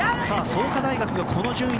創価大学が、この順位。